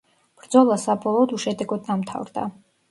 ბრძოლა საბოლოოდ უშედეგოდ დამთავრდა.